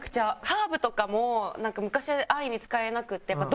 ハーブとかもなんか昔は安易に使えなくて。